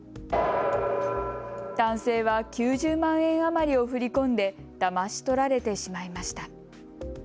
男性は９０万円余りを振り込んでだまし取られてしまいました。